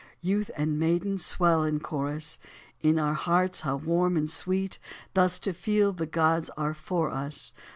Youth and maiden, swell the chorus 1 In our hearts how warm and sweet Thus to feel the gods are for us.